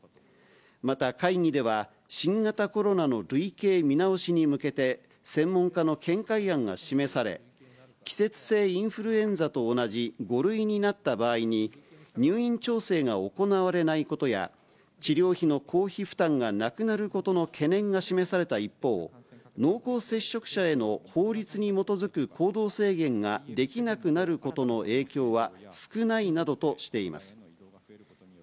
また、会議では、新型コロナの類型見直しに向けて、専門家の見解案が示され、季節性インフルエンザと同じ５類になった場合に、入院調整が行われないことや、治療費の公費負担がなくなることの懸念が示された一方、濃厚接触者への法律に基づく行動制限ができなくなることの影響は少ないなどとしています。